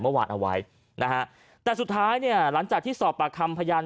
เมื่อวานเอาไว้นะฮะแต่สุดท้ายเนี่ยหลังจากที่สอบปากคำพยาน